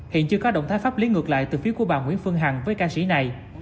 hiện chưa có động thái pháp lý ngược lại từ phía của bà nguyễn phương hằng với ca sĩ này